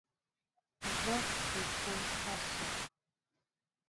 Nzog e kɔŋ ká assoŋ.